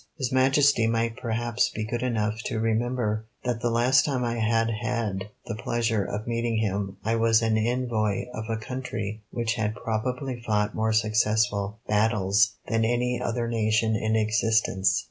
His Majesty might perhaps be good enough to remember that the last time I had had the pleasure of meeting him I was an Envoy of a country which had probably fought more successful battles than any other nation in existence.